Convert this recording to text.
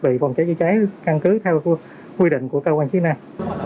về phòng cháy chữa cháy căn cứ theo quy định của cơ quan chức năng